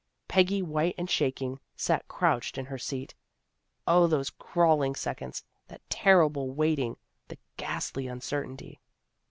Peggy, white and shaking, sat crouched in her seat. O, those crawling seconds, that terrible waiting, the ghastly uncertainty.